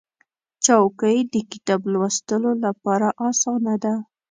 چوکۍ د کتاب لوستلو لپاره اسانه ده.